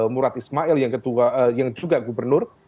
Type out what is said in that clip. murad ismail yang ketua yang juga gubernur